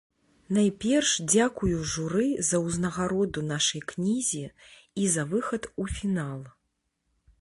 Найперш дзякую журы за ўзнагароду нашай кнізе і за выхад у фінал.